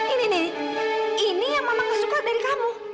ini nih ini yang mama kesukaan dari kamu